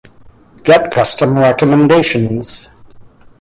Get custom recommendations.